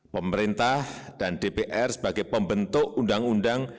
pemerintah dan dpr sebagai pembentuk undang undang